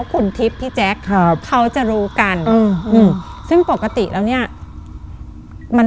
คุณจิ๊บจะรู้กัน